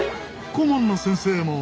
顧問の先生も。